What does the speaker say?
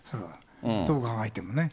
どう考えてもね。